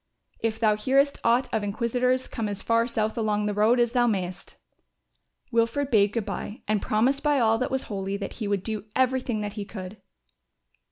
If thou hearest aught of inquisitors come as far south along the road as thou mayest." Wilfred bade good bye and promised by all that was holy that he would do everything that he could.